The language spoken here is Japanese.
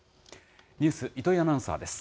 ニュース、糸井アナウンサーです。